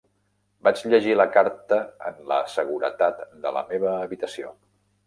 Vaig llegir la carta en la seguretat de la meva habitació.